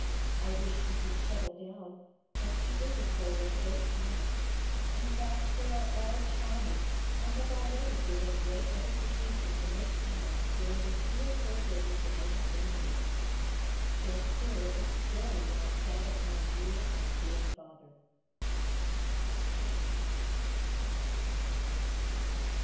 I wish he could settle down, as he is a soul of great promise. In fact they are all charming and have already given great edification in this town during the three or four days that they have been here. Their spirit is very like that of my dear and good Father.